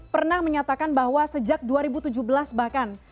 pernah menyatakan bahwa sejak dua ribu tujuh belas bahkan